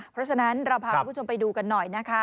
เพราะฉะนั้นเราพาคุณผู้ชมไปดูกันหน่อยนะคะ